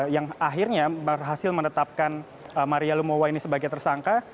yang akhirnya berhasil menetapkan maria lumowa ini sebagai tersangka